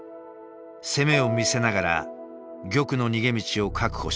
攻めを見せながら玉の逃げ道を確保した。